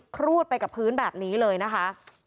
ครูดไปกับพื้นแบบนี้เลยนะคะ